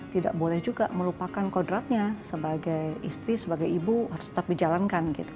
tidak boleh juga melupakan kodratnya sebagai istri sebagai ibu harus tetap dijalankan gitu